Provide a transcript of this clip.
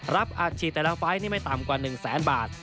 รับอัดฉีดแต่ละไฟล์นี่ไม่ต่ำกว่า๑แสนบาท